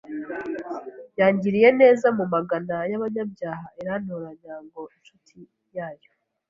yangiriye neza mu Magana y’abanyabyaha irantoranya ngo incuti yayo